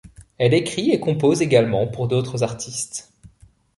Elle écrit et compose également pour d’autres artistes.